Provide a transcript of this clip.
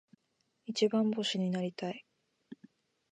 一番星になりたい。